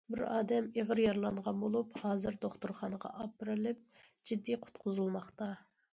بىر ئادەم ئېغىر يارىلانغان بولۇپ، ھازىر دوختۇرخانىغا ئاپىرىلىپ جىددىي قۇتقۇزۇلماقتا.